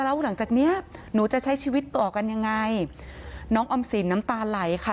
แล้วหลังจากเนี้ยหนูจะใช้ชีวิตต่อกันยังไงน้องออมสินน้ำตาไหลค่ะ